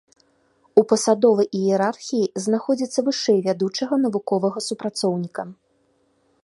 У пасадовай іерархіі знаходзіцца вышэй вядучага навуковага супрацоўніка.